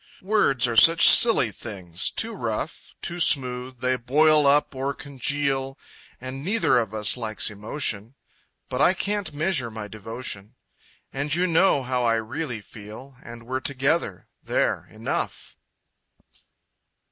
Words are such silly things! too rough, Too smooth, they boil up or congeal, And neither of us likes emotion But I can't measure my devotion! And you know how I really feel And we're together. There, enough